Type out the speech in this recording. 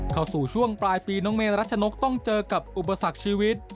เข้าสู่ช่วงปลายปีน้องเมรัชนกต้องเจอกับอุปสรรคชีวิต